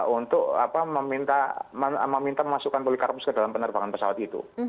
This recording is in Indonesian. untuk meminta memasukkan polikarpus ke dalam penerbangan pesawat itu